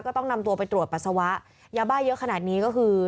ก็ต้องนำตัวไปตรวจปัสสาวะยาบ้าเยอะขนาดนี้ก็คือ